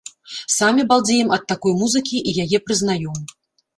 Самі балдзеем ад такой музыкі і яе прызнаём.